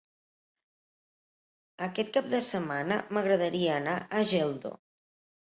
Aquest cap de setmana m'agradaria anar a Geldo.